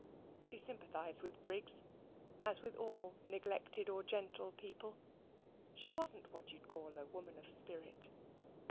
She sympathised with Briggs as with all neglected or gentle people: she wasn't what you call a woman of spirit.